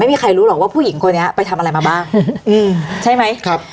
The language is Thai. ไม่มีใครรู้หรอกว่าผู้หญิงคนนี้ไปทำอะไรมาบ้างอืมใช่ไหมครับ